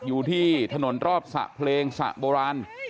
อยู่ที่ถนนรอบสระเพลงสระโบราณ